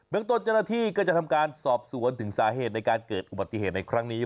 ตนเจ้าหน้าที่ก็จะทำการสอบสวนถึงสาเหตุในการเกิดอุบัติเหตุในครั้งนี้